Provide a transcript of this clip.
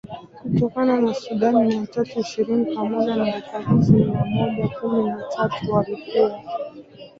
kutoka Sudan mia tatu ishirini pamoja na wapagazi mia moja kumi na tatu Walikuwa